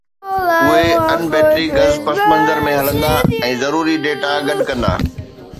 اهي ان-بيٽري گز پس منظر ۾ هلندا ۽ ضروري ڊيٽا گڏ ڪندا